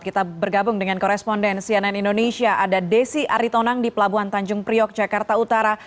kita bergabung dengan koresponden cnn indonesia ada desi aritonang di pelabuhan tanjung priok jakarta utara